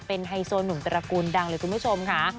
เป็นไฮโซหนุ่มตระกูลดังเลยคุณผู้ชมค่ะ